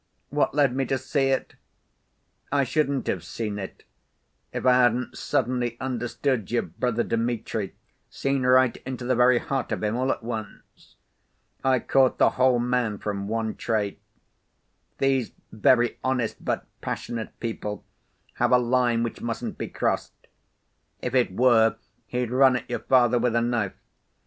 What led me to see it? I shouldn't have seen it, if I hadn't suddenly understood your brother Dmitri, seen right into the very heart of him all at once. I caught the whole man from one trait. These very honest but passionate people have a line which mustn't be crossed. If it were, he'd run at your father with a knife.